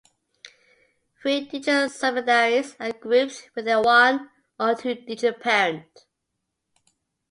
Three-digit subsidiaries are grouped with their one- or two-digit parent.